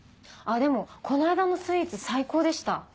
でもこの間のスイーツ最高でした。